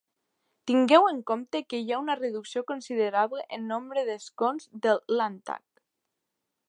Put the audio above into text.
Tingueu en compte que hi ha una reducció considerable en nombre d'escons del Landtag.